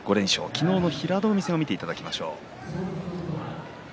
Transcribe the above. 昨日の平戸海戦を見ていただきましょう。